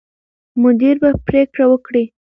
مدیر به پرېکړه وکړي.